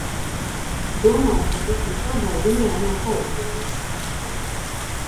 Domāju, ka tas nekādā ziņā nav taisnīgi.